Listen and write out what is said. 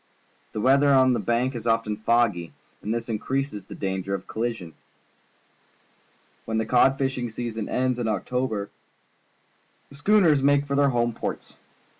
The weather on the Banks is often foggy, and this increases the danger of colli sion. When the cod fishing season ends in October, the schooners make for their home ports.